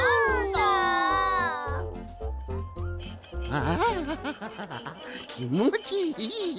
はあきもちいい！